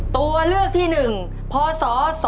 ตัวเลือกที่หนึ่งพอศ๒๕๓๕